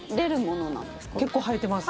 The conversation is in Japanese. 結構生えてます。